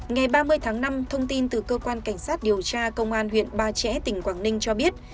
ngày ba mươi tháng năm thông tin từ cơ quan cảnh sát điều tra công an huyện ba trẻ tỉnh quảng ninh cho biết